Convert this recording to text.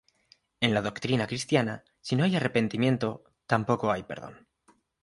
En la doctrina cristiana, si no hay arrepentimiento, tampoco hay perdón.